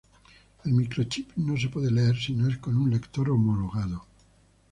El microchip no se puede leer si no es con un lector homologado.